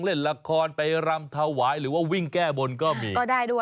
เล่นละครไปรำถวายหรือว่าวิ่งแก้บนก็มี